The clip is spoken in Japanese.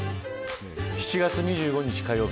７月２５日火曜日